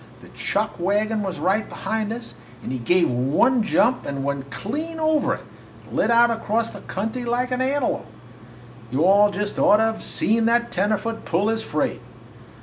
The chuck wagon was right behind us, and he give one jump and went clean over it and lit out across country like an antelope. You all just ought to 've seen that tenderfoot pull his freight!